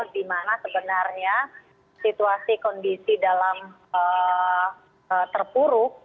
dimana sebenarnya situasi kondisi dalam terpuruk